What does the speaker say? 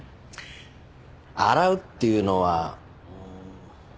洗うっていうのはうーん。